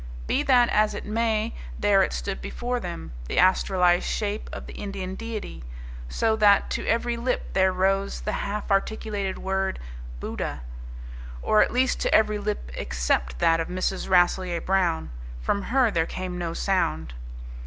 Be that as it may, there it stood before them, the astralized shape of the Indian deity, so that to every lip there rose the half articulated word, "Buddha"; or at least to every lip except that of Mrs. Rasselyer Brown. From her there came no sound.